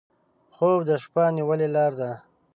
خوب د شپه نیولې لاره ده